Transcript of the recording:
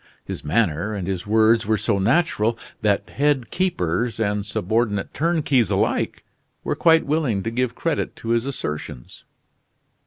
His manner and his words were so natural that head keepers and subordinate turnkeys alike were quite willing to give credit to his assertions.